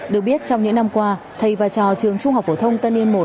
được biết trong những năm qua thầy và trò trường trung học phổ thông tân yên một